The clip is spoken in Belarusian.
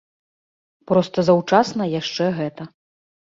Проста заўчасна яшчэ гэта.